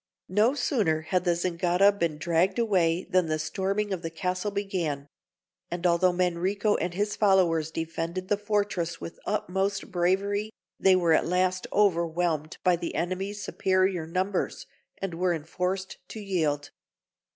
No sooner had the Zingara been dragged away than the storming of the castle began; and although Manrico and his followers defended the fortress with utmost bravery, they were at last overwhelmed by the enemy's superior numbers, and were enforced to yield.